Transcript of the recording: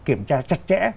kiểm tra chặt chẽ